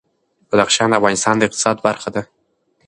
بدخشان د افغانستان د اقتصاد برخه ده.